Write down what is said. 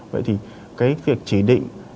vậy thì cái việc chỉ định